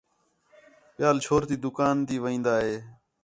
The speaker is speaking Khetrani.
ٻِیال چھور تی دُکان تی وین٘دا ہِے